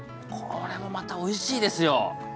これもまたおいしいですよ。